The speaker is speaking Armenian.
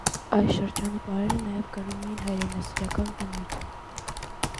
Այս շրջանի պարերը նաև կրում էին հայրենասիրական բնույթ։